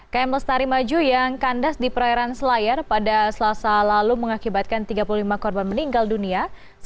km lestari maju yang kandas di perairan selayar pada selasa lalu mengakibatkan tiga puluh lima korban meninggal dunia